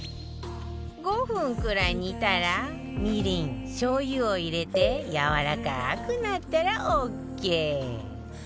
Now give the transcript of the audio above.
５分くらい煮たらみりんしょう油を入れてやわらかくなったらオーケー